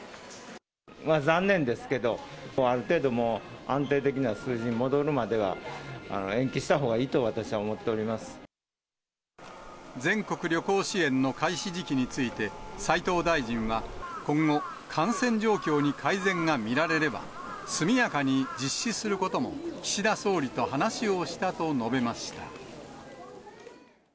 残念ですけど、ある程度もう、安定的な数字に戻るまでは、延期したほうがいいと、私は思っ全国旅行支援の開始時期について、斉藤大臣は、今後、感染状況に改善が見られれば、速やかに実施することも岸田総理と話をしたと述べました。